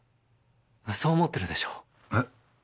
そう思ってるでしょう？え？